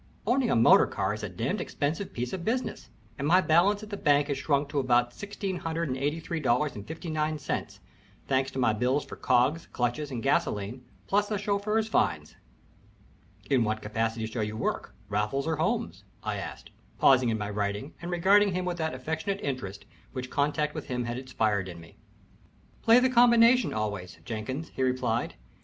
Owning a motor car is a demned expensive piece of business, and my balance at the bank has shrunk to about $1683.59, thanks to my bills for cogs, clutches, and gasoline, plus the chauffeur's fines." "In what capacity shall you work, Raffles or Holmes?" I asked, pausing in my writing and regarding him with that affectionate interest which contact with him had inspired in me. "Play the combination always, Jenkins," he replied.